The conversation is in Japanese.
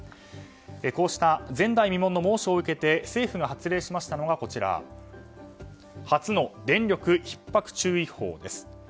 こうした前代未聞の猛暑を受けて政府が発令したのが初の電力ひっ迫注意報です。